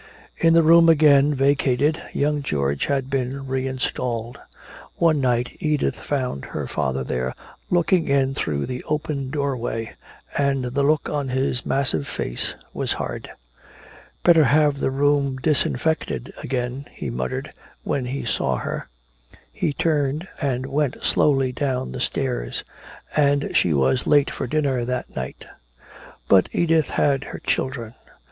In the room again vacated, young George had been reinstalled. One night Edith found her father there looking in through the open doorway, and the look on his massive face was hard. "Better have the room disinfected again," he muttered when he saw her. He turned and went slowly down the stairs. And she was late for dinner that night. But Edith had her children.